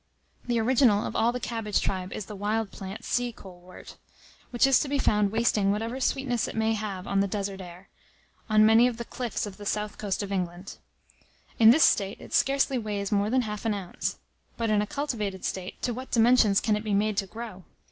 The original of all the cabbage tribe is the wild plant sea colewort, which is to be found wasting whatever sweetness it may have on the desert air, on many of the cliffs of the south coast of England. In this state, it scarcely weighs more than half an ounce, yet, in a cultivated state, to what dimensions can it be made to grow!